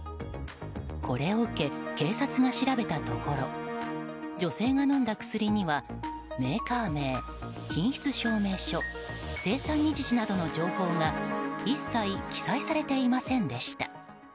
これを受け、警察が調べたところ女性が飲んだ薬にはメーカー名、品質証明書生産日時などの情報が一切記載されていませんでした。